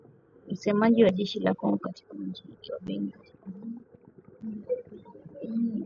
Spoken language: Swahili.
Msemaji wa jeshi la Kongo katika mji wa Beni katika jimbo la Kivu Kaskazini, Kepteni Antony Mualushayi.